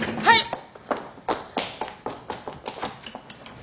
はい！